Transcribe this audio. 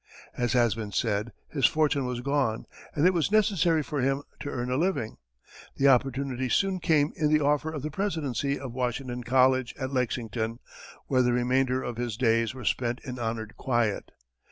As has been said, his fortune was gone, and it was necessary for him to earn a living. The opportunity soon came in the offer of the presidency of Washington College, at Lexington, where the remainder of his days were spent in honored quiet.